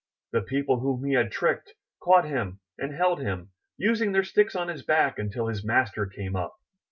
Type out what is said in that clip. The people whom he had tricked, caught him and held him, using their sticks on his back until his master came up.